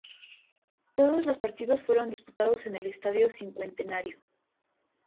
Todos los partidos fueron disputados en el Estadio Cincuentenario.